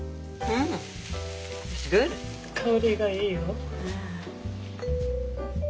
香りがいいよ。